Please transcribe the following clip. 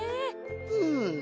うん。